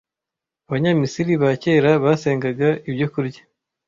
Abanyamisiri ba kera basengaga ibyo kurya